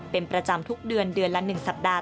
เป็นประจำทุกเดือนเดือนละ๑สัปดาห